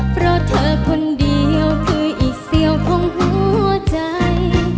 เพราะเธอคนเดียวคืออีกเสี่ยวของหัวใจ